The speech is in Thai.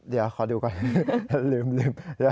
เดี๋ยวขอดูก่อนลืม